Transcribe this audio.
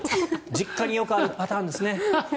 実家によくあるパターンですね。